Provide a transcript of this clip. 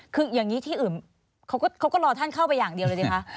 คืออย่างนี้ที่อื่นเขาก็รอท่านเข้าไปอย่างเดียวเลยสิคะ